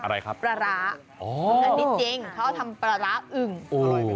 อะไรครับปลาร้าอ๋ออันนี้จริงเขาทำปลาร้าอึ่งอร่อยไหม